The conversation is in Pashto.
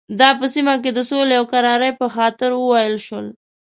دا په سیمه کې د سولې او کرارۍ په خاطر وویل شول.